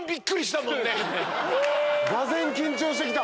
がぜん緊張して来た。